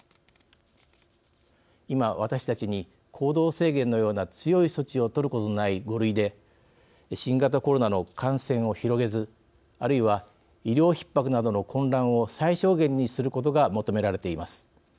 今、私たちに行動制限のような強い措置を取ることのない５類で新型コロナの感染を広げずあるいは、医療ひっ迫などの混乱を最小限にすることが求められています。